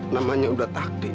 namanya sudah takdir